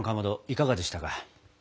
いかがでしたか？